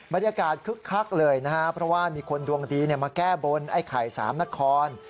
บรรยากาศคึกเลยนะฮะเพราะว่ามีคนดวงดีมาแก้บ้นไอ้ไข่สามนคร